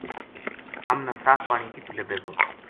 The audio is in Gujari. ہم نا صاف پانی کِتو لبھے گو ؟